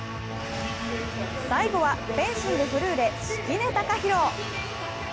最後はフェンシングフルーレ敷根崇裕。